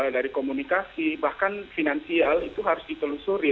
dari komunikasi bahkan finansial itu harus ditelusuri